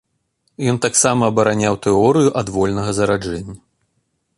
Ён таксама абараняў тэорыю адвольнага зараджэння.